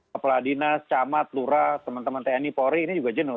kapal adina camat lura teman teman tni polri ini juga jenuh